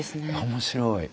面白い。